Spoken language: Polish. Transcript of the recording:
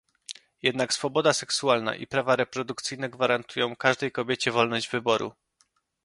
Jednak swoboda seksualna i prawa reprodukcyjne gwarantują każdej kobiecie wolność wyboru